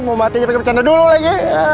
mau mati kita kebacanda dulu lagi